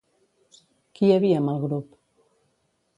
Qui hi havia amb el grup?